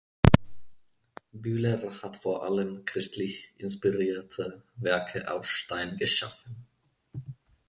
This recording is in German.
Bühler hat vor allem christlich inspirierte Werke aus Stein geschaffen.